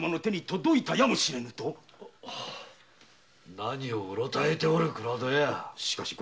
何をうろたえておる倉戸屋。